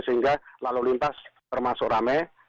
sehingga lalu lintas termasuk rame